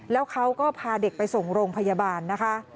แล้วเขาก็พาเด็กไปส่งโรงพยาบาลนะคะ